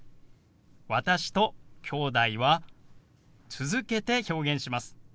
「私」と「きょうだい」は続けて表現します。